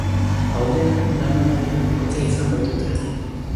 Aurrean, lan ona egin duen bikotea izan baitute.